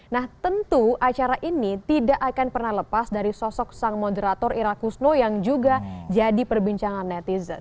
nah tentu acara ini tidak akan pernah lepas dari sosok sang moderator ira kusno yang juga jadi perbincangan netizen